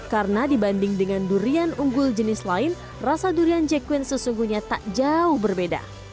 karena dibanding dengan durian unggul jenis lain rasa durian jekuin sesungguhnya tak jauh berbeda